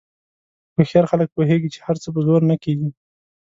هوښیار خلک پوهېږي چې هر څه په زور نه کېږي.